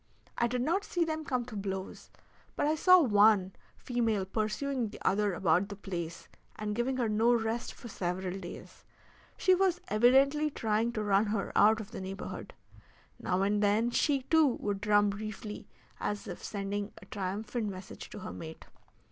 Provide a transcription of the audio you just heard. I did not see them come to blows, but I saw one female pursuing the other about the place, and giving her no rest for several days. She was evidently trying to run her out of the neighborhood. Now and then she, too, would drum briefly as if sending a triumphant message to her mate.